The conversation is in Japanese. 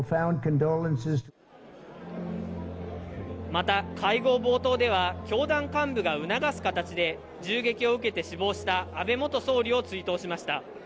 また、会合冒頭では、教団幹部が促す形で、銃撃を受けて死亡した安倍元総理を追悼しました。